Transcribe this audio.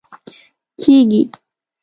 کیږي